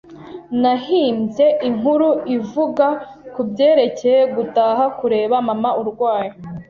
Nahimbye inkuru ivuga kubyerekeye gutaha kureba mama urwaye.